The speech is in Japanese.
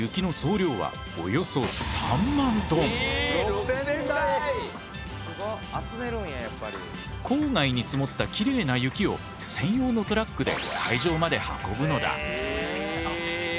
しかしこの大雪像郊外に積もったきれいな雪を専用のトラックで会場まで運ぶのだ。